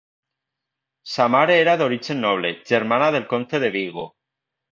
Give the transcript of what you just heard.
Sa mare era d'origen noble, germana del comte de Vigo.